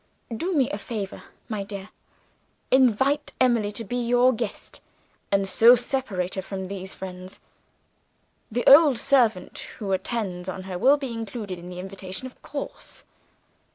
"Do me a favor, my dear. Invite Emily to be your guest, and so separate her from these friends. The old servant who attends on her will be included in the invitation, of course.